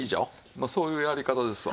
まあそういうやり方ですわ。